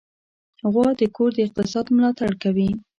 غوا د کور د اقتصاد ملاتړ کوي.